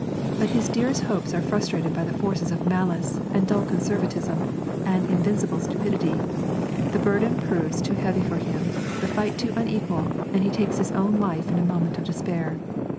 But his dearest hopes are frustrated by the forces of malice, and dull conservatism, and invincible stupidity; the burden proves too heavy for him, the fight too unequal, and he takes his own life in a moment of despair.